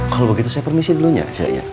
kalau begitu saya permisi dulunya